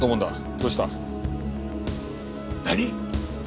どうした？何！？